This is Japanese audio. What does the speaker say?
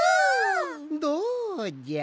どうじゃ？